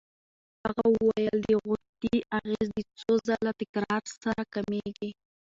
هغه وویل چې د غوطې اغېز د څو ځله تکرار سره کمېږي.